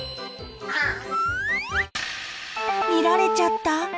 見られちゃった。